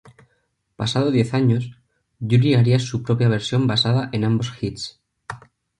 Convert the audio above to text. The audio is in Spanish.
Pasado diez años, Yuri haría su propia versión basada en ambos "hits".